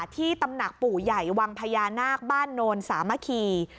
ที่ตำหนักปู่ใหญ่วังพญานาคบ้านโนนสามัคคี